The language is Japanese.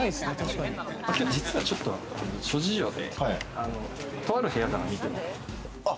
実はちょっと諸事情でとある部屋から見て。